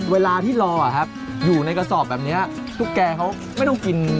เวลาที่รอครับอยู่ในกระสอบแบบนี้ตุ๊กแกเขาไม่ต้องกิน